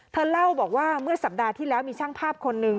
เธอเล่าบอกว่าเมื่อสัปดาห์ที่แล้วมีช่างภาพคนหนึ่ง